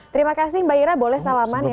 terima kasih mbak ira boleh salamannya